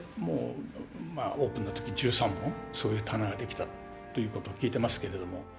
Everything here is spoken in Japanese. オープンの時１３本そういう棚ができたということを聞いてますけれども。